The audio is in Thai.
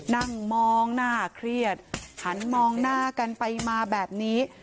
นั่งมองหน้าเครียดหันมองหน้ากันไปมาแบบนี้